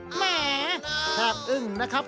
แหมภาพอึ้งนะครับ